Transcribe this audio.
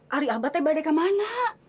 hari abadnya bapak kemana